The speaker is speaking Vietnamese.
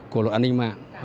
của luật an ninh mạng